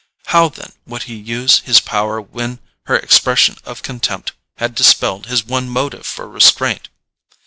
How then would he use his power when her expression of contempt had dispelled his one motive for restraint?